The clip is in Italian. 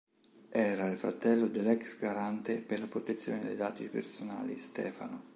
Era il fratello dell'ex garante per la protezione dei dati personali, Stefano.